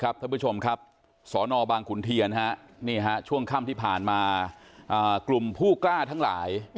ท่านผู้ชมครับสนบางขุนเทียนช่วงค่ำที่ผ่านมากลุ่มผู้กล้าทั้งหลาย